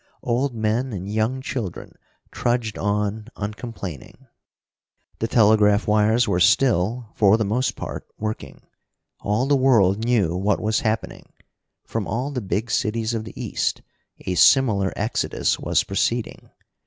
Old men and young children trudged on uncomplaining. The telegraph wires were still, for the most part, working. All the world knew what was happening. From all the big cities of the East a similar exodus was proceeding.